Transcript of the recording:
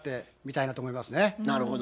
なるほど。